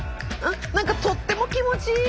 何かとっても気持ちいい。